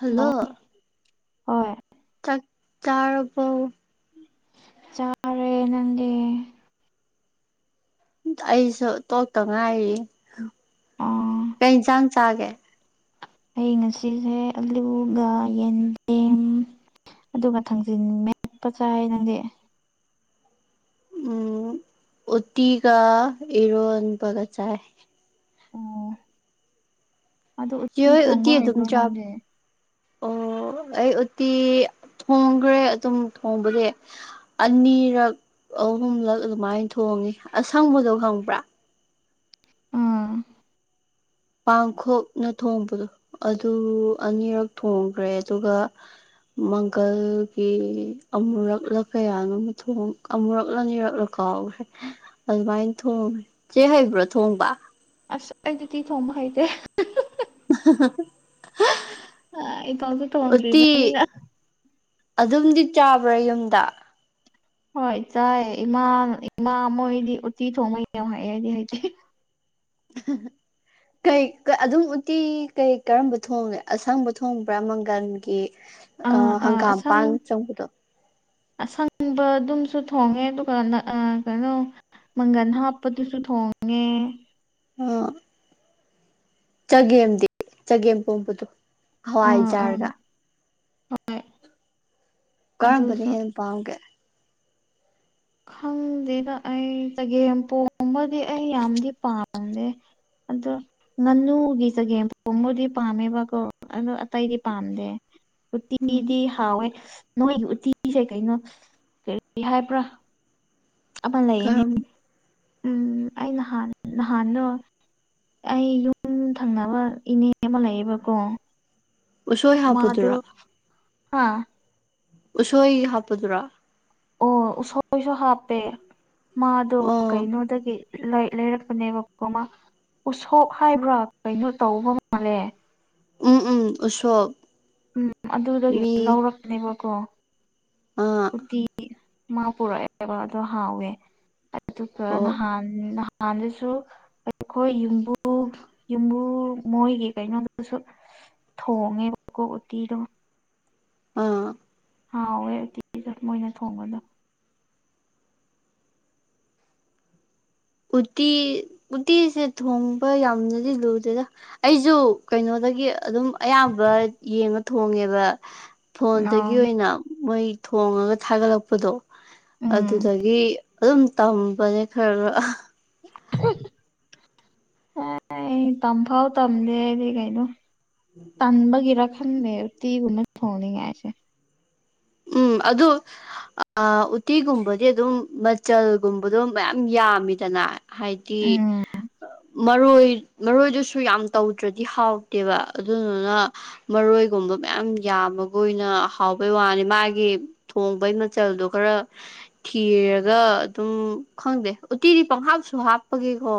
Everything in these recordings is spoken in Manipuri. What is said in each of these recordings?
ꯍꯜꯂꯣ ꯍꯣꯏ ꯆꯥꯛ ꯆꯥꯔꯕꯣ ꯆꯥꯔꯦ ꯅꯪꯗꯤ ꯑꯩꯁꯨ ꯇꯣꯛꯇ ꯉꯥꯏꯔꯤ ꯑꯥ ꯀꯩ ꯏꯟꯁꯥꯡ ꯆꯥꯒꯦ ꯑꯩ ꯉꯁꯤꯁꯦ ꯑꯂꯨꯒ ꯌꯦꯟꯗꯦꯝ ꯑꯗꯨꯒ ꯊꯥꯡꯖꯤꯟ ꯃꯦꯠꯄ ꯆꯥꯏ ꯅꯪꯗꯤ ꯎꯝ ꯎꯠꯇꯤꯒ ꯏꯔꯣꯟꯕꯒ ꯆꯥꯏ ꯑꯣ ꯑꯗꯣ ꯎꯇꯤ ꯌꯣꯏ ꯎꯠꯇꯤ ꯊꯣꯡꯕ ꯑꯗꯨꯝ ꯍꯩꯕ꯭ꯔꯣ ꯆꯥ ꯅꯪꯗꯤ ꯑꯣ ꯑꯩ ꯎꯠꯇꯤ ꯊꯣꯡꯈ꯭ꯔꯦ ꯑꯗꯨꯝ ꯊꯣꯡꯕꯗꯤ ꯑꯅꯤꯔꯛ ꯑꯍꯨꯝꯂꯛ ꯑꯗꯨꯃꯥꯏꯅ ꯊꯣꯡꯉꯤ ꯑꯁꯪꯕꯗꯣ ꯈꯪꯕ꯭ꯔꯥ ꯑꯥ ꯄꯥꯡꯈꯣꯛꯅ ꯊꯣꯡꯕꯗꯣ ꯑꯗꯨ ꯑꯅꯤꯔꯛ ꯊꯣꯡꯈ꯭ꯔꯦ ꯑꯗꯨꯒ ꯃꯪꯒꯜꯒꯤ ꯑꯃꯨꯔꯛꯂ ꯀꯌꯥꯅꯣ ꯃ ꯊꯣꯡ ꯑꯃꯨꯔꯛꯂ ꯅꯤꯔꯛꯂꯣ ꯀꯥꯎꯈ꯭ꯔꯦ ꯑꯗꯨꯃꯥꯏꯅ ꯊꯣꯡꯉꯤ ꯆꯦ ꯍꯩꯕ꯭ꯔꯣ ꯊꯣꯡꯕ ꯑꯁ ꯑꯩꯗꯤ ꯀꯩ ꯊꯣꯡꯕ ꯍꯩꯇꯦ ꯑ ꯑꯩꯕꯥꯎꯗ ꯎꯇꯤ ꯇꯣꯡꯗ꯭ꯔꯤꯕꯅꯤꯅ ꯑꯗꯨꯝꯗꯤ ꯆꯥꯕ꯭ꯔꯥ ꯌꯨꯝꯗ ꯍꯣꯏ ꯆꯥꯏ ꯏꯃꯥ ꯏꯃꯥ ꯃꯣꯏꯗꯤ ꯎꯇꯤ ꯊꯣꯡꯕ ꯌꯥꯝ ꯍꯩ ꯑꯩꯗꯤ ꯍꯩꯇꯦ [unintelligible] ꯀꯩ ꯀ ꯑꯗꯨꯝ ꯎꯠꯇꯤ ꯀꯩ ꯀꯔꯝꯕ ꯊꯣꯒꯦ ꯑꯁꯪꯕ ꯊꯣꯡꯕ꯭ꯔꯥ ꯃꯪꯒꯜꯒꯤ ꯑ ꯑꯥ ꯑꯥ ꯑꯁꯪ ꯍꯪꯒꯥꯝꯄꯥꯥꯟ [unintelligible] ꯑꯁꯪꯕ ꯑꯗꯨꯝꯁꯨ ꯊꯣꯡꯉꯦ ꯑꯗꯨꯒꯅ ꯑꯥ ꯀꯩꯅꯣ ꯃꯪꯒꯟ ꯍꯥꯞꯄꯗꯨꯁꯨ ꯊꯣꯡꯉꯦ ꯑꯥ ꯆꯒꯦꯝꯗꯤ ꯆꯒꯦꯝ ꯄꯣꯝꯕꯗꯣ ꯑꯥ ꯑꯥ ꯍꯋꯥꯏꯖꯥꯔꯒ [unintelligible] ꯀꯔꯝꯕꯅ ꯑꯗꯨꯁꯨ ꯍꯦꯟ ꯄꯥꯝꯒꯦ ꯈꯪꯗꯦꯗ ꯑꯩ ꯆꯒꯦꯝ ꯄꯣꯝꯕꯗꯤ ꯑꯩ ꯌꯥꯝꯗꯤ ꯄꯥꯝꯗꯦ ꯑꯗꯣ ꯉꯥꯅꯨꯒꯤ ꯆꯒꯦꯝ ꯄꯣꯝꯕꯗꯤ ꯄꯥꯝꯃꯦꯕꯀꯣ ꯑꯗꯣ ꯑꯇꯩꯗꯤ ꯄꯥꯝꯗꯦ ꯎꯝ ꯎꯇꯤꯗꯤ ꯍꯥꯎꯋꯦ ꯅꯣꯏꯒꯤ ꯎꯇꯤꯁꯦ ꯀꯩꯅꯣ ꯀꯔꯤ ꯍꯥꯏꯕ꯭ꯔꯥ ꯑꯃ ꯂꯩꯑꯦꯅꯦ ꯀꯔꯝ ꯎꯝ ꯑꯩ ꯅꯍꯥꯟ ꯅꯍꯥꯟꯗꯣ ꯑꯩ ꯌꯨꯝ ꯊꯪꯅꯕ ꯏꯅꯦ ꯑꯃ ꯂꯩꯌꯦꯕꯀꯣ ꯎꯁꯣꯏ ꯃꯥꯗꯨ ꯍꯥꯞꯄꯗꯨꯔꯥ ꯍꯥ ꯎꯁꯣꯏ ꯍꯥꯞꯄꯗꯨꯔꯣ ꯑꯣ ꯎꯁꯣꯏꯁꯨ ꯍꯥꯞꯄꯦ ꯃꯥꯗꯣ ꯑꯣ ꯀꯩꯅꯣꯗꯒꯤ ꯂꯩ ꯂꯩꯔꯛꯄꯅꯦꯕꯀꯣ ꯃꯥ ꯎꯁꯣꯞ ꯍꯥꯏꯕ꯭ꯔꯥ ꯀꯩꯅꯣ ꯇꯧꯕ ꯃꯥꯜꯂꯦ ꯎꯝ ꯎꯝ ꯎꯁꯣꯞ ꯎꯝ ꯑꯗꯨꯗꯒꯤ ꯃꯤ ꯂꯧꯔꯛꯄꯅꯦꯕꯀꯣ ꯑꯥ ꯎꯠꯇꯤ ꯃꯥ ꯄꯨꯔꯛꯑꯦꯕ ꯑꯗꯣ ꯍꯥꯎꯋꯦ ꯑꯗꯨꯒ ꯑꯣ ꯅꯍꯥꯟ ꯅꯍꯥꯟꯗꯁꯨ ꯑꯩꯈꯣꯏ ꯌꯨꯝꯕꯨ ꯌꯨꯝꯕꯨ ꯃꯣꯏꯒꯤ ꯀꯩꯅꯣꯗꯨꯁꯨ ꯊꯣꯡꯉꯦꯕꯀꯣ ꯎꯠꯇꯤꯗꯣ ꯑꯥ ꯍꯥꯎꯋꯦ ꯎꯠꯇꯤꯗꯣ ꯃꯣꯏꯅ ꯊꯣꯡꯕꯗꯣ ꯎꯇꯤ ꯎꯇꯤꯁꯦ ꯊꯣꯡꯕ ꯌꯥꯝꯅꯗꯤ ꯂꯨꯗꯦꯗ ꯑꯩꯁꯨ ꯀꯩꯅꯣꯗꯒꯤ ꯑꯗꯨꯝ ꯑꯌꯥꯝꯕ ꯌꯦꯡꯉ ꯊꯣꯡꯉꯦꯕ ꯐꯣꯟꯗꯒꯤ ꯑꯣ ꯑꯣꯏꯅ ꯃꯣꯏ ꯊꯣꯡꯉꯒ ꯊꯥꯒꯠꯂꯛꯄꯗꯣ ꯎꯝ ꯑꯗꯨꯗꯒꯤ ꯑꯗꯨꯝ ꯇꯝꯕꯅꯦ ꯈꯔ ꯈ ꯑꯦ ꯇꯝꯐꯥꯎ ꯇꯝꯗꯦꯗꯤ ꯀꯩꯅꯣ ꯇꯥꯟꯕꯒꯤꯔ ꯈꯪꯅꯦꯦ ꯇꯤꯒꯨꯝꯅ ꯊꯧꯅꯤꯉꯥꯏꯁꯦ ꯎꯝ ꯑꯗꯨ ꯑꯗꯨ ꯑ ꯎꯇꯤꯒꯨꯝꯕꯗꯤ ꯑꯗꯨꯝ ꯃꯆꯜꯒꯨꯝꯕꯗꯣ ꯃꯌꯥꯝ ꯌꯥꯝꯃꯤꯗꯅ ꯍꯥꯏꯗꯤ ꯎꯝ ꯃꯔꯣꯏ ꯃꯔꯣꯏꯗꯨꯁꯨ ꯌꯥꯝ ꯇꯧꯗ꯭ꯔꯗꯤ ꯍꯥꯎꯇꯦꯕ ꯑꯗꯨꯗꯨꯅ ꯃꯔꯣꯏꯒꯨꯝꯕ ꯃꯌꯥꯝ ꯌꯥꯝꯃꯒ ꯑꯣꯏꯅ ꯑꯍꯥꯎꯕꯩ ꯋꯥꯅꯤ ꯃꯥꯒꯤ ꯊꯣꯡꯕꯩ ꯃꯆꯜꯗꯣ ꯈꯔ ꯊꯤꯔꯒ ꯑꯗꯨꯝ ꯈꯪꯗꯦ ꯎꯇꯤꯗꯤ ꯄꯪꯍꯥꯞꯁꯨ ꯍꯥꯞꯄꯒꯦꯀꯣ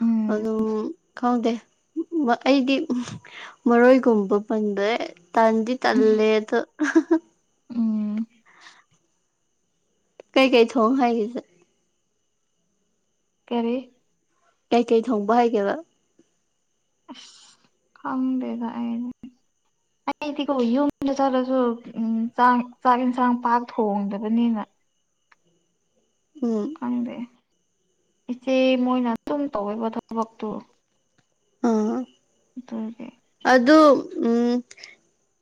ꯎꯝ ꯑꯗꯨꯣ ꯈꯪꯗꯦ ꯑꯩꯗꯤ ꯃꯔꯣꯏꯒꯨꯝꯕ ꯄꯪꯕꯦ ꯇꯥꯟꯗꯤꯠ ꯇꯂꯦ ꯑꯗꯨ ꯎꯝ ꯀꯩꯀꯩ ꯊꯣꯡ ꯍꯥꯏꯔꯤꯁꯦ ꯀꯔꯤ ꯀꯩꯀꯩ ꯊꯣꯡꯕ ꯍꯥꯏꯒꯦꯕ ꯑꯁ ꯈꯪꯗꯦꯗ ꯑꯩꯗꯤꯀꯣ ꯌꯨꯝꯗ ꯆꯠꯂꯁꯨ ꯎꯝ ꯆꯥꯛ ꯆꯥꯛ ꯏꯟꯁꯥꯡ ꯄꯥꯛ ꯊꯣꯡꯗꯕꯅꯤꯅ ꯎꯝ ꯈꯪꯗꯦ ꯏꯆꯦ ꯃꯣꯏꯅ ꯁꯨꯝ ꯇꯧꯕ ꯊꯕꯛꯇꯨ ꯑꯥ ꯇꯔ ꯑꯗ ꯎꯝ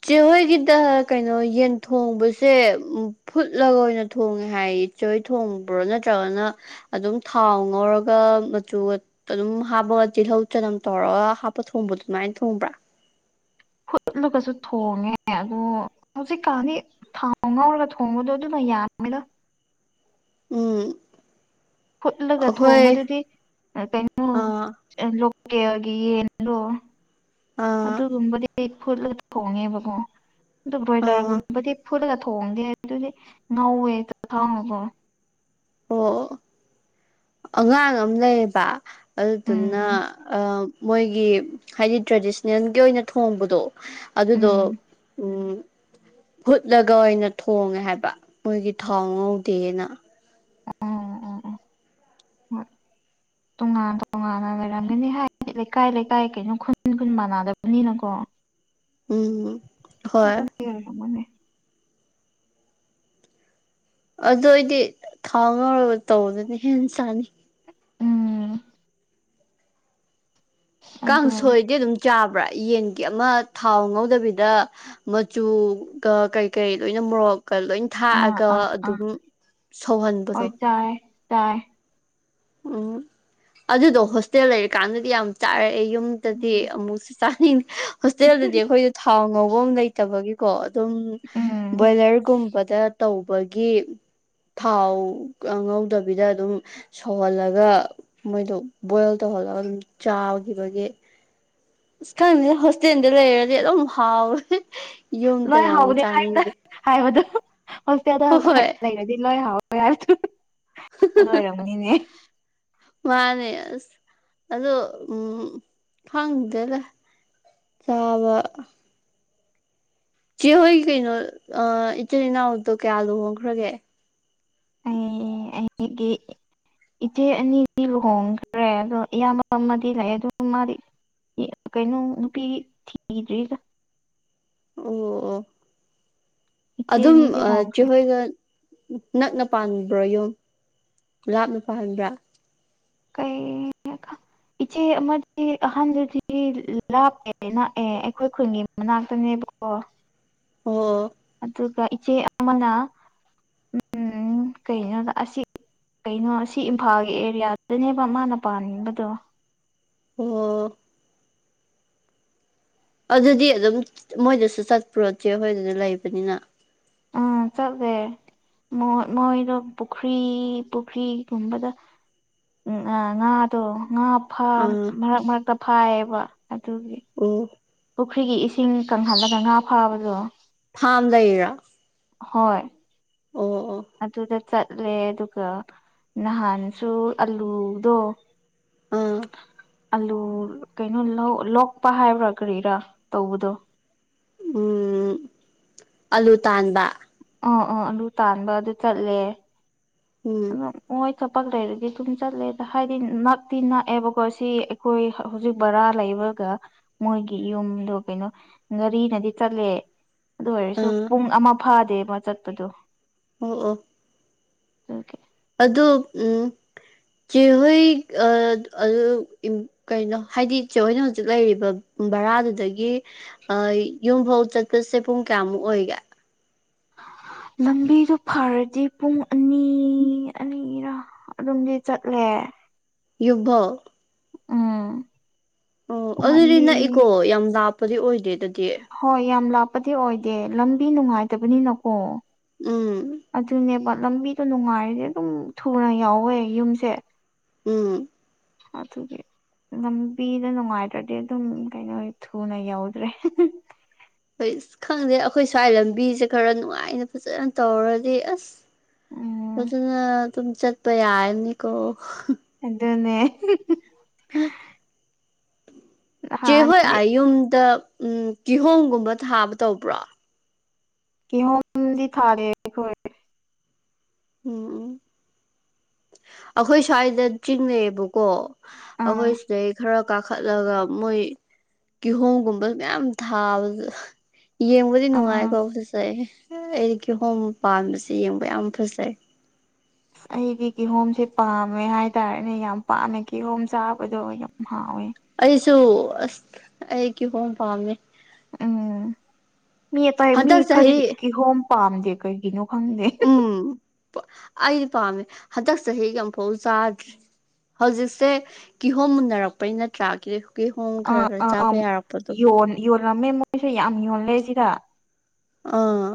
ꯆꯦꯍꯣꯏꯒꯤꯗ ꯀꯩꯅꯣ ꯌꯦꯟ ꯊꯣꯡꯕꯁꯦ ꯎ ꯐꯨꯠꯂꯒ ꯑꯣꯏꯅ ꯊꯣꯡꯉꯦ ꯍꯥꯏꯌꯦꯆꯣꯏ ꯊꯣꯡꯕ꯭ꯔꯣ ꯅꯠꯇ꯭ꯔꯒꯅ ꯑꯗꯨꯝ ꯊꯥꯎ ꯉꯧꯔꯒ ꯃꯆꯨ ꯑꯗꯨꯝ ꯍꯥꯞꯄꯒ ꯇꯤꯜꯍꯧ ꯆꯅꯝ ꯇꯧꯔꯒ ꯍꯥꯞꯄ ꯊꯣꯡꯕꯗꯣ ꯑꯗꯨꯃꯥꯏꯅ ꯊꯣꯡꯕ꯭ꯔꯥ ꯍꯨꯠꯂꯒꯁꯨ ꯊꯣꯡꯉꯦ ꯑꯗꯨꯗ ꯍꯧꯖꯤꯛꯀꯥꯟꯗꯤ ꯊꯥꯎ ꯉꯥꯎꯔꯒ ꯊꯣꯡꯕꯗꯣ ꯑꯗꯨꯃ ꯌꯥꯒꯗ ꯎꯝ ꯐꯨꯠꯂꯒ ꯑꯩꯈꯣꯏ ꯊꯣꯡꯕꯗꯨꯗꯤ ꯀꯩꯅꯣ ꯑ ꯂꯣꯀꯦꯜꯒꯤ ꯌꯦꯟꯗꯣ ꯑ ꯑꯗꯨꯒꯨꯝꯕꯗꯤ ꯐꯨꯠꯂꯒ ꯊꯣꯡꯉꯦꯕꯀꯣ ꯑꯗꯨ ꯑ ꯕ꯭ꯔꯣꯏꯂꯔꯒꯨꯝꯕꯗꯤ ꯐꯨꯠꯂꯒ ꯊꯣꯡꯗꯦ ꯑꯗꯨꯗꯤ ꯅꯧꯋꯦꯦꯛꯇ ꯊꯪꯉꯀꯣ ꯑꯣ ꯑꯉꯥꯡ ꯑꯃ ꯂꯩꯌꯦꯕ ꯎꯝ ꯑꯗꯨꯗꯨꯅ ꯃꯣꯏꯒꯤ ꯍꯥꯏꯗꯤ ꯇ꯭ꯔꯦꯗꯤꯁꯅꯦꯜꯒꯤ ꯑꯣꯏꯅ ꯊꯣꯡꯕꯗꯣ ꯑꯗꯨꯗꯣ ꯎꯝ ꯎꯝ ꯍꯨꯠꯂꯒ ꯑꯣꯏꯅ ꯊꯣꯡꯉꯦ ꯍꯥꯏꯕ ꯃꯣꯏꯒꯤ ꯊꯥꯎ ꯉꯧꯗꯦꯅ ꯎꯝ ꯎꯝ ꯎꯝ ꯇꯣꯉꯥꯟꯅ ꯇꯣꯉꯥꯟꯅ ꯂꯩꯔꯝꯒꯅꯤ ꯍꯥꯏꯗꯤ ꯂꯩꯀꯥꯏ ꯂꯩꯀꯥꯏ ꯀꯩꯅꯣ ꯈꯨꯟ ꯈꯨꯟ ꯃꯥꯟꯅꯗꯕꯅꯤꯅꯀꯣ ꯎꯝ ꯍꯣꯏ ꯀꯔ ꯃꯅꯦ ꯑꯗꯨ ꯑꯣꯏꯗꯤ ꯊꯥꯎ ꯉꯔꯒ ꯇꯧꯕꯗꯨꯅ ꯍꯦꯟꯅ ꯆꯥꯅꯤ ꯎꯝ ꯑꯗꯨꯅꯤ ꯀꯥꯡꯁꯣꯏꯗꯤ ꯑꯗꯨꯝ ꯆꯥꯕ꯭ꯔꯥ ꯌꯦꯟꯒꯤ ꯑꯃ ꯊꯥꯎ ꯉꯧꯗꯕꯤꯗ ꯃꯆꯨꯒ ꯀꯩ ꯀꯔꯤ ꯂꯣꯏꯅ ꯃꯣꯔꯣꯛꯀ ꯂꯣꯏ ꯑꯥ ꯊꯥꯛꯑꯒ ꯑꯥ ꯑꯥ ꯑꯗꯨꯝ ꯁꯧꯍꯟꯕꯗꯣ ꯆꯥꯏ ꯇꯥꯏ ꯎꯝ ꯑꯗꯨꯗꯣ ꯍꯣꯁꯇꯦꯜ ꯂꯩꯔꯀꯥꯟꯗꯗꯤ ꯌꯥꯝ ꯆꯥꯔꯛꯑꯦ ꯌꯨꯝꯗꯗꯤ ꯑꯃꯨꯛ ꯆꯥꯅꯤꯡꯗꯦ ꯍꯣꯁꯇꯦꯜꯗꯗꯤ ꯑꯩꯈꯣꯏꯁꯨ ꯊꯥꯎ ꯉꯧꯕ ꯑꯃ ꯂꯩꯇꯕꯒꯤ ꯀꯣ ꯑꯗꯨꯝ ꯎꯝ ꯕꯣꯏꯂꯔꯒꯨꯝꯕꯗ ꯇꯧꯕꯒꯤ ꯊꯥꯎ ꯉ ꯉꯧꯗꯕꯤꯗ ꯑꯗꯨꯝ ꯁꯧꯍꯜꯂꯒ ꯃꯣꯏꯗꯣ ꯕꯣꯏꯜ ꯇꯧꯍꯜꯂꯒ ꯑꯗꯨꯝ ꯆꯥꯈꯤꯕꯒꯤ ꯑ ꯈꯪꯗꯦ ꯍꯣꯁꯇꯦꯜꯗ ꯂꯩꯔꯗꯤ ꯑꯗꯨꯝ ꯍꯥꯎꯋꯦ ꯂꯣꯏ ꯌꯨꯝꯗꯅ ꯑꯃꯨꯛ ꯍꯥꯎꯕꯅꯦ ꯍꯥꯏꯕꯗ ꯆꯥꯅꯤꯡꯗꯦ ꯍꯥꯏꯕꯗꯣ ꯍꯣꯁꯇꯦꯜꯗꯣ ꯍꯣꯏ ꯂꯩꯕꯗꯤ ꯂꯣꯏ ꯍꯥꯎ ꯍ ꯑꯗꯨ ꯑꯣꯏꯔꯝꯅꯤꯅꯦ ꯃꯥꯅꯦ ꯑꯁ ꯑꯗꯣ ꯎꯝ ꯈꯪꯗꯦꯔ ꯆꯥꯎꯕ ꯆꯦꯍꯣꯏ ꯀꯩꯅꯣ ꯏꯆꯤꯜ ꯏꯅꯥꯎꯗꯣ ꯀꯌꯥ ꯂꯨꯍꯣꯡꯈ꯭ꯔꯒꯦ ꯑ ꯑꯩꯒꯤ ꯏꯆꯦ ꯑꯅꯤꯗꯤ ꯂꯨꯍꯣꯡꯈ꯭ꯔꯦ ꯑꯗꯣ ꯏꯌꯥꯝꯕ ꯑꯃꯗꯤ ꯂꯩ ꯑꯗꯨ ꯃꯥꯗꯤ ꯀꯩꯅꯣ ꯅꯨꯄꯤ ꯊꯤꯗ꯭ꯔꯤꯒ ꯑꯣ ꯑꯣ ꯏꯆꯦ ꯑꯗꯨꯝ ꯑꯅꯤꯗꯤ ꯍꯣꯡꯈ꯭ꯔꯦ ꯆꯍꯣꯏꯒ ꯅꯛꯅ ꯄꯥꯟꯕ꯭ꯔꯣ ꯌꯨꯝ ꯂꯥꯞꯅ ꯄꯥꯟꯕ꯭ꯔꯥ ꯀ ꯏꯆꯦ ꯑꯃꯗꯤ ꯑꯍꯥꯟꯕꯗꯤ ꯂꯥꯞꯄꯦ ꯂꯥꯛꯑꯦ ꯑꯩꯈꯣꯏ ꯈꯨꯟꯒꯤ ꯃꯅꯥꯛꯇꯅꯦꯕꯀꯣ ꯑꯣ ꯑꯗꯨꯒ ꯏꯆꯦ ꯑꯃꯅ ꯎꯝ ꯀꯩꯅꯣꯗ ꯑꯁꯤ ꯀꯩꯅꯣ ꯑꯁꯤ ꯏꯝꯐꯥꯜꯒꯤ ꯑꯦꯔꯤꯌꯥ ꯑꯗꯨꯅꯦꯕ ꯃꯥꯅ ꯄꯥꯟꯕꯗꯣ ꯑꯣ ꯑꯗꯨꯗꯤ ꯑꯗꯨꯝ ꯃꯣꯏꯗꯁꯨ ꯆꯠꯄꯨꯔꯣꯠꯇꯦ ꯑꯩꯈꯣꯏꯗꯨꯅ ꯂꯩꯕꯅꯤꯅ ꯎꯝ ꯆꯠꯃꯦ ꯃꯣꯏꯗꯣ ꯄꯨꯈ꯭ꯔꯤ ꯄꯨꯈ꯭ꯔꯤꯒꯨꯝꯕꯗ ꯎꯝ ꯑ ꯉꯥꯗꯣ ꯉꯥ ꯑꯥ ꯃꯔꯛ ꯃꯔꯛꯇ ꯐꯥꯏꯌꯦꯕ ꯑꯗꯨꯒꯤ ꯑꯣ ꯄꯨꯈ꯭ꯔꯤꯒꯤ ꯏꯁꯤꯡ ꯀꯪꯍꯜꯂꯒ ꯉꯥ ꯐꯥꯕꯗꯣ ꯐꯥꯝꯗꯩꯔ ꯍꯣꯏ ꯑꯣ ꯑꯣ ꯑꯗꯨꯗ ꯆꯠꯂꯦ ꯑꯗꯨꯒ ꯅꯍꯥꯟꯁꯨ ꯑꯂꯨꯗꯣ ꯑꯥ ꯑꯂꯨ ꯀꯩꯅꯣ ꯂꯣꯛꯄ ꯍꯥꯏꯕ꯭ꯔꯥ ꯀꯔꯤꯔꯥ ꯇꯧꯕꯗꯣ ꯎꯝ ꯑꯂꯨ ꯇꯥꯟꯕ ꯑꯥ ꯑ ꯑꯂꯨ ꯇꯥꯟꯕ ꯑꯗꯨ ꯆꯠꯂꯦ ꯎꯝ ꯑꯗꯨꯝ ꯃꯣꯏ ꯊꯄꯛ ꯂꯩꯔꯗꯤ ꯑꯗꯨꯨꯝ ꯆꯠꯂꯦꯗ ꯍꯥꯏꯗꯤ ꯅꯛꯇꯤ ꯅꯛꯑꯦꯕꯀꯣ ꯁꯤ ꯑꯩꯈꯣꯏ ꯍꯧꯖꯤꯛ ꯕꯔꯥ ꯂꯩꯕꯒ ꯃꯣꯏꯒꯤ ꯌꯨꯝꯗꯣ ꯀꯩꯅꯣ ꯒꯥꯔꯤꯅꯗꯤ ꯆꯠꯂꯦ ꯑꯗꯨ ꯑꯣꯏꯔꯁꯨ ꯑꯥ ꯄꯨꯡ ꯑꯃ ꯐꯥꯗꯦꯕ ꯆꯠꯄꯗꯨꯣ ꯑꯣ ꯑꯣ ꯑꯗꯨꯒꯤ ꯑꯣ ꯎꯝ ꯆꯦꯍꯣꯏ ꯀꯩꯅꯣ ꯍꯥꯏꯗꯤ ꯏꯆꯦ ꯑꯩꯈꯣꯏꯅ ꯍꯧꯖꯤꯛ ꯂꯩꯔꯤꯕ ꯕꯔꯥꯗꯨꯗꯒꯤ ꯑ ꯌꯨꯝ ꯐꯥꯎ ꯆꯠꯀꯁꯦ ꯄꯨꯡ ꯀꯌꯥꯃꯨꯛ ꯑꯣꯏꯒꯦ ꯂꯝꯕꯤꯗꯨ ꯐꯔꯗꯤ ꯄꯨꯡ ꯑꯅꯤ ꯑꯅꯤꯔꯥ ꯑꯗꯨꯝꯗꯤ ꯆꯠꯂꯦ ꯌꯨꯝꯐꯥꯎ ꯎꯝ ꯑꯣ ꯄꯨꯡ ꯑꯗꯨꯗꯤ ꯑꯅꯤ ꯅꯛꯏꯀꯣ ꯌꯥꯝ ꯂꯥꯞꯄꯗꯤ ꯑꯣꯏꯗꯦ ꯑꯗꯨꯗꯤ ꯍꯣꯏ ꯌꯥꯝ ꯂꯥꯞꯄꯗꯤ ꯑꯣꯏꯗꯦ ꯂꯝꯕꯤ ꯅꯨꯡꯉꯥꯏꯇꯕꯅꯤꯅꯀꯣ ꯎꯝ ꯑꯗꯨꯅꯦꯕ ꯂꯝꯕꯤꯗꯣ ꯅꯨꯡꯉꯥꯏꯔꯗꯤ ꯑꯗꯨꯝ ꯊꯨꯅ ꯌꯧꯋꯦ ꯌꯨꯝꯁꯦ ꯎꯝ ꯑꯗꯨꯒꯤ ꯂꯝꯕꯤꯅ ꯅꯨꯡꯉꯥꯏꯇ꯭ꯔꯗꯤ ꯑꯗꯨꯝ ꯀꯩꯅꯣ ꯊꯨꯅ ꯌꯧꯗ꯭ꯔꯦ ꯍꯣꯏꯁ ꯈꯪꯗꯦ ꯑꯩꯈꯣꯏ ꯁ꯭ꯋꯥꯏ ꯂꯝꯕꯤꯁꯦ ꯈꯔ ꯅꯨꯡꯉꯥꯏꯅ ꯐꯖꯅ ꯇꯧꯔꯗꯤ ꯑꯁ ꯎꯝ ꯐꯖꯅ ꯑꯗꯨꯝ ꯆꯠꯄ ꯌꯥꯔꯅꯤꯀꯣ ꯑꯗꯨꯅꯦ ꯍꯥ ꯆꯦ ꯅꯍꯥꯟ ꯍꯣꯏ ꯑꯥ ꯌꯨꯝꯗ ꯎꯝ ꯀꯤꯍꯣꯝꯒꯨꯝꯕ ꯊꯥꯕ ꯇꯧꯕ꯭ꯔꯣ ꯀꯍꯣꯝꯗꯤ ꯊꯥꯗꯦ ꯑꯩꯈꯣꯏ ꯎꯝ ꯑꯩꯈꯣꯏ ꯁ꯭ꯋꯥꯏꯗ ꯆꯤꯡ ꯂꯩꯑꯦꯕꯀꯣ ꯑꯥ ꯑꯩꯈꯣꯏ ꯁꯤꯗꯩ ꯈꯔ ꯀꯥꯈꯠꯂꯒ ꯃꯣꯏ ꯀꯤꯍꯣꯝꯒꯨꯝꯕ ꯃꯌꯥꯝ ꯊꯥꯕꯗꯣ ꯌꯦꯡ ꯕꯨꯗꯤ ꯑꯥ ꯅꯨꯡꯉꯥꯏꯀꯣ ꯐꯖꯩ ꯑꯩꯗꯤ ꯀꯤꯍꯣꯝ ꯄꯥꯟꯕꯁꯦ ꯌꯦꯡꯕ ꯌꯥꯝ ꯐꯖꯩ ꯑꯁ ꯑꯩꯗꯤ ꯀꯤꯍꯣꯝꯁꯦ ꯄꯥꯝꯃꯦ ꯍꯥꯏꯇꯥꯔꯦꯅꯦ ꯌꯥꯝ ꯄꯥꯝꯃꯦ ꯀꯤꯍꯣꯝ ꯆꯥꯕꯗꯣ ꯌꯥꯝ ꯍꯥꯎꯋꯦ ꯑꯩꯁꯨ ꯑꯁ ꯑꯩ ꯀꯤꯍꯣꯝ ꯄꯥꯝꯃꯦ ꯎꯝ ꯃꯤ ꯑꯇꯩ ꯃꯤ ꯍꯟꯗꯛ ꯈꯔꯗꯤ ꯆꯍꯤ ꯀꯤꯍꯣꯝ ꯄꯥꯝꯗꯦ ꯀꯩꯒꯤꯅꯣ ꯈꯪꯗꯦ ꯎꯝ ꯑꯩꯗꯤ ꯄꯥꯝꯃꯦ ꯍꯟꯗꯛ ꯆꯍꯤꯒꯤ ꯑꯃꯨꯛꯐꯥꯎ ꯆꯥꯗ꯭ꯔꯤ ꯍꯧꯖꯤꯛꯁꯦ ꯀꯤꯍꯣꯝ ꯃꯨꯟꯅꯔꯛꯄꯩ ꯅꯠꯇ꯭ꯔꯥ ꯀꯤꯍꯣꯝ ꯈꯔ ꯑꯥ ꯈꯔ ꯑꯥ ꯑꯥ ꯆꯥꯕ ꯌꯥꯔꯛꯄꯗꯣ ꯌꯣꯟ ꯌꯣꯜꯂꯝꯃꯦ ꯃꯣꯏꯁꯨ ꯌꯥꯝ ꯌꯣꯜꯂꯦ ꯁꯤꯗ ꯑꯥ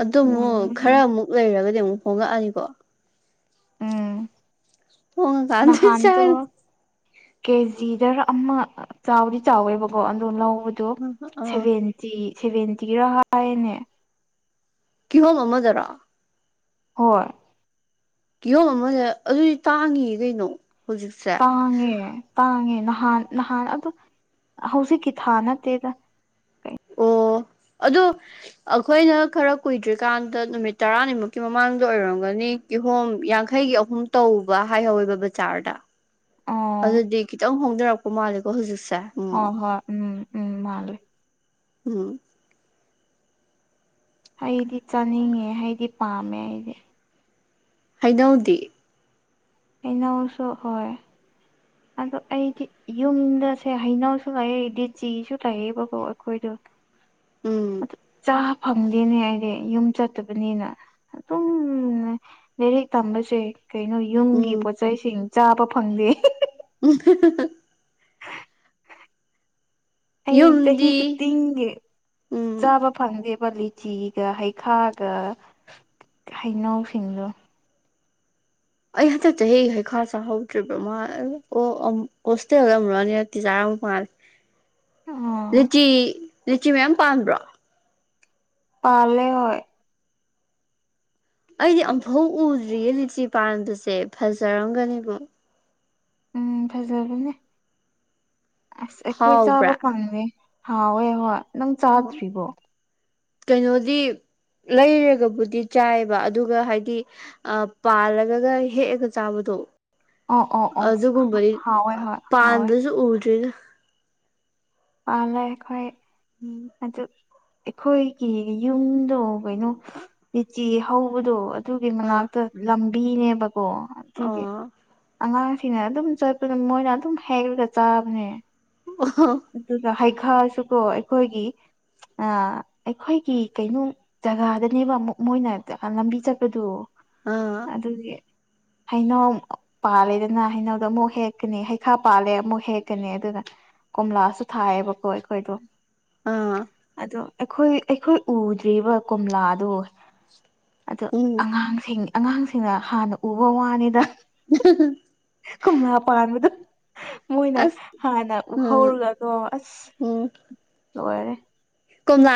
ꯑꯗꯨ ꯑꯃꯨꯛ ꯃꯨꯟꯕꯒꯤ ꯈꯔ ꯑꯃꯨꯛ ꯂꯩꯔꯒꯗꯤ ꯑꯃꯨꯛ ꯍꯣꯡꯉꯛꯑꯅꯤꯀꯣ ꯎꯝ ꯊꯣꯡꯉꯀꯥꯟꯗ ꯅꯍꯥꯟꯗꯨ ꯆꯥꯔ ꯀꯦꯖꯤꯗꯔ ꯑꯃ ꯆꯥꯎꯗꯤ ꯆꯥꯎꯋꯦꯕꯀꯣ ꯑꯗꯣ ꯂꯧꯑꯦ ꯑꯗꯣ ꯑꯥ ꯁꯚꯦꯟꯇꯤ ꯁꯦꯚꯦꯟꯇꯤꯔ ꯍꯥꯏꯅꯦ ꯀꯤꯍꯣꯝ ꯑꯃꯥꯗꯔꯣ ꯍꯣꯏ ꯀꯤꯍꯣꯝ ꯑꯃ ꯑꯗꯨꯗꯤ ꯇꯥꯡꯉꯤꯌꯦ ꯀꯩꯅꯣ ꯍꯧꯖꯤꯛꯁꯦ ꯇꯥꯡꯉꯦ ꯇꯥꯡꯉꯦ ꯅꯍꯥꯟ ꯅꯍꯥꯟ ꯑꯗꯨ ꯍꯧꯖꯤꯛꯀꯤ ꯊꯥ ꯅꯠꯇꯦꯗ ꯑꯣ ꯑꯗꯨ ꯑꯩꯈꯣꯏꯅ ꯈꯔ ꯀꯨꯏꯗ꯭ꯔꯤꯀꯥꯟꯗ ꯅꯨꯃꯤꯠ ꯇꯔꯥꯅꯤꯃꯨꯛꯀꯤ ꯃꯃꯥꯡꯗ ꯑꯣꯏꯔꯝꯒꯅꯤ ꯀꯤꯍꯣꯝ ꯌꯥꯡꯈꯩꯒꯤ ꯑꯍꯨꯝ ꯇꯧꯕ ꯍꯥꯏꯍꯧꯋꯦꯕ ꯕꯖꯥꯔꯗ ꯑꯣ ꯑꯗꯨꯗꯤ ꯈꯤꯇꯪ ꯍꯣꯡꯗꯔꯛꯄ ꯃꯥꯜꯂꯦꯀꯣ ꯍꯧꯖꯤꯛꯁꯦ ꯎꯝ ꯍꯣꯏ ꯎꯝ ꯎꯝ ꯃꯥꯜꯂꯤ ꯎꯝ ꯑꯩꯗꯤ ꯆꯥꯅꯤꯡꯉꯦ ꯍꯩꯗꯤ ꯄꯥꯝꯃꯦ ꯑꯩꯗꯤ ꯍꯩꯅꯧꯗꯤ ꯍꯩꯅꯧꯁꯨ ꯍꯣꯏ ꯑꯗꯣ ꯑꯩꯗꯤ ꯌꯨꯝꯗꯁꯦ ꯍꯩꯅꯧ ꯁꯨꯉꯩꯗꯤ ꯂꯤꯆꯤꯁꯨ ꯂꯩꯑꯦꯕꯀꯣ ꯑꯩꯈꯣꯏꯗꯣ ꯎꯝ ꯑꯗꯨ ꯆꯥ ꯐꯪꯗꯦꯅꯦ ꯑꯩꯗꯤ ꯌꯨꯝ ꯆꯠꯇꯕꯅꯤꯅ ꯑꯗꯨꯝ ꯂꯥꯏꯔꯤꯛ ꯇꯝꯕꯁꯦ ꯀꯩꯅꯣ ꯌꯨꯝꯒꯤ ꯎꯝ ꯄꯣꯠꯆꯩꯁꯤꯡ ꯆꯥꯕ ꯐꯪꯗꯦ ꯎꯝ ꯍꯥ ꯍꯥ ꯑꯩ ꯆꯍꯤ ꯌꯨꯝꯗꯤ ꯈꯨꯗꯤꯡꯒꯤ ꯎꯝ ꯆꯥꯕ ꯐꯪꯗꯦꯕ ꯂꯤꯆꯤꯒ ꯍꯩꯈꯥꯒ ꯍꯩꯅꯧꯁꯤꯡꯗꯣ ꯑꯩ ꯍꯟꯗꯛ ꯆꯍꯤꯒꯤ ꯍꯩꯈꯥ ꯆꯥꯍꯧꯗ꯭ꯔꯤꯕ ꯃꯥꯜꯂꯦ ꯑꯣ ꯍꯣꯁꯇꯦꯜꯗ ꯑꯃꯨꯔꯛ ꯑꯅꯤꯔꯛꯇꯤ ꯆꯥꯔ ꯃꯥꯜꯂꯦ [unintelligible] ꯑꯣ ꯂꯤꯆꯤ ꯂꯤꯆꯤ ꯃꯌꯥꯝ ꯄꯥꯟꯕꯥ꯭ꯔꯣ ꯄꯥꯜꯂꯦ ꯍꯣꯏ ꯑꯩꯗꯤ ꯑꯃꯨꯛꯐꯥꯎ ꯎꯗ꯭ꯔꯤꯌꯦ ꯂꯤꯆꯤ ꯄꯥꯟꯕꯁꯦ ꯐꯖꯔꯝꯒꯅꯦꯉꯨ ꯎꯝ ꯐꯖꯕꯅꯦ ꯑꯁ ꯑꯩꯈꯣꯏ ꯆꯥꯕ ꯍꯥꯎꯕ꯭ꯔꯥ ꯐꯪꯉꯦ ꯍꯥꯎꯋꯦ ꯍꯣꯏ ꯅꯪ ꯆꯥꯗ꯭ꯔꯤꯕꯣ ꯀꯩꯅꯣꯗꯤ ꯂꯩꯔꯒꯕꯨꯗꯤ ꯆꯥꯏꯑꯕ ꯑꯗꯨꯒ ꯍꯥꯏꯗꯤ ꯑ ꯄꯥꯜꯂꯒꯒ ꯍꯦꯛꯑꯒ ꯆꯥꯕꯗꯣ ꯑꯣ ꯑꯣ ꯑꯣ ꯑꯗꯨꯒꯨꯝꯕꯩ ꯍꯥꯎꯋꯦ ꯍꯣꯏ ꯍꯥꯎꯋꯦ ꯄꯥꯟꯕꯖꯨ ꯎꯗ꯭ꯔꯤꯗ ꯄꯥꯜꯂꯦ ꯑꯩꯈꯣꯏ ꯎꯝ ꯑꯗꯨ ꯑꯩꯈꯣꯏꯒꯤ ꯌꯨꯝꯗꯣ ꯀꯩꯅꯣ ꯂꯤꯆꯤ ꯍꯧꯕꯗꯣ ꯑꯗꯨꯒꯤ ꯑꯥ ꯃꯅꯥꯛꯇ ꯂꯝꯕꯤꯅꯦꯕꯀꯣ ꯑꯗꯨꯒꯤ ꯑꯥ ꯑꯉꯥꯡꯁꯤꯡꯅ ꯑꯗꯨꯝ ꯆꯠꯄꯗ ꯃꯣꯏꯅ ꯑꯗꯨꯝ ꯍꯦꯛꯂꯒ ꯆꯥꯕꯅꯦ [unintelligible] ꯑꯗꯨꯒ ꯍꯩꯈꯥꯁꯨꯀꯣ ꯑꯩꯈꯣꯏꯒꯤ ꯑ ꯑꯩꯈꯣꯏꯒꯤ ꯀꯩꯅꯣ ꯖꯒꯥꯗꯅꯦꯕ ꯃꯣ ꯃꯣꯏꯅ ꯂꯝꯕꯤ ꯆꯠꯄꯗꯨ ꯑꯥ ꯑꯗꯨꯒꯤ ꯍꯥꯏꯅꯧ ꯄꯥꯜꯂꯦꯗꯅ ꯍꯩꯅꯧꯗꯣ ꯑꯃꯨꯛ ꯍꯦꯛꯀꯅꯤ ꯍꯩꯈꯥ ꯄꯥꯜꯂꯦ ꯑꯃꯨꯛ ꯍꯦꯛꯀꯅꯤ ꯑꯗꯨꯅ ꯀꯣꯝꯂꯥꯁꯨ ꯊꯥꯏꯌꯦꯕꯀꯣ ꯑꯩꯈꯣꯏꯗꯣ ꯑꯥ ꯑꯗꯣ ꯑꯩꯈꯣꯏ ꯑꯩꯈꯣꯏ ꯎꯗ꯭ꯔꯤꯕ ꯀꯣꯝꯂꯥꯗꯣ ꯑꯗꯨ ꯎꯝ ꯑꯉꯥꯡꯁꯤꯡ ꯑꯉꯥꯡꯁꯤꯡꯅ ꯍꯥꯟꯅ ꯎꯕ ꯋꯥꯅꯤꯗ [unintelligible] ꯀꯣꯝꯂꯥ ꯄꯥꯟꯕꯗꯣ ꯃꯣꯏꯅ ꯑꯁ ꯍꯥꯟꯅ ꯎꯝ ꯎꯍꯧꯔꯒꯀꯣ ꯑꯁ ꯎꯝ ꯂꯣꯢꯔꯦ ꯀꯣꯝꯂꯥ